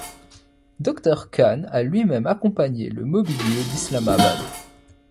Dr Khan a lui-même accompagné le mobilier d'Islamabad.